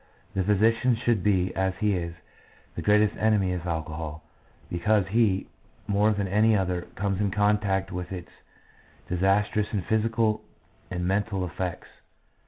The physician should be, as he is, the greatest enemy of alcohol, because he, more than any other, comes in contact with its disastrous physical and mental effects.